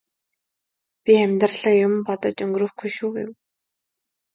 би амьдралаа юм бодож өнгөрөөхгүй шүү гэв.